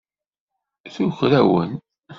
Tuker-awen.